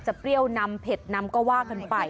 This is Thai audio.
จะเปรี้ยวน้ำเผ็ดน้ำกระว่าขึ้นไป